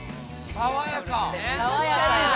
爽やかや！